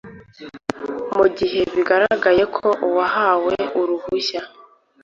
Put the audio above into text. mu gihe bigaragaye ko uwahawe uruhushya